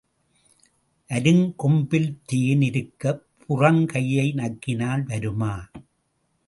அருங்கொம்பில் தேன் இருக்கப் புறங்கையை நக்கினால் வருமா?